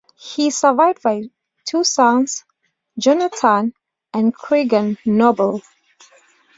He is survived by two sons, Jonathan and Craigan Noble.